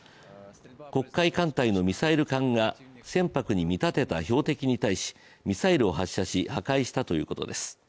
黒海艦隊のミサイル艦が船舶に見立てた標的に対しミサイルを発射し破壊したということです。